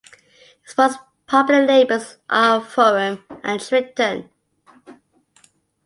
His most popular labels are "Forum" and "Triton".